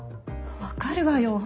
わかるわよ。